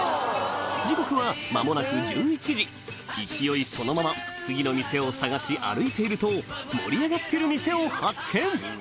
時刻は間もなく１１時勢いそのまま次の店を探し歩いていると盛り上がってる店を発見